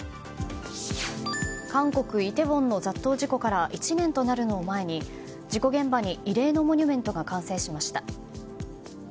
韓国イテウォンの雑踏事故から１年となるのを前に事故現場に慰霊のモニュメントが完成しました。